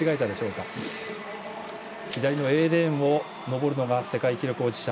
左のＡレーンを登るのが世界記録保持者